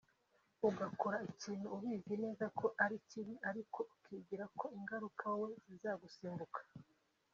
ugakora ikintu ubizi neza ko ari kibi ariko ukibwira ko ingaruka wowe zizagusimbuka